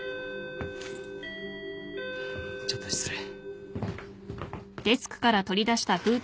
・ちょっと失礼。